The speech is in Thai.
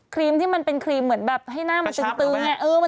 ครีมที่มันเป็นครีมเหมือนแบบให้หน้ามันตื้นอย่างนี้